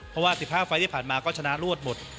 เพราะว่า๑๕ไฟล์ที่ผ่านมาก็ชนะรวดหมด